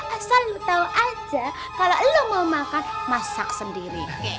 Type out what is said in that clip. asal lo tau aja kalau lo mau makan masak sendiri